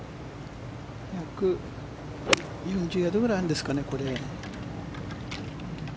１４０ヤードぐらいあるんですかね。